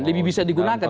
lebih bisa digunakan